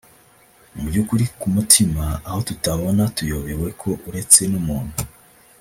mu by’ukuri ku mutima aho tutabona tuyobewe ko uretse n’umuntu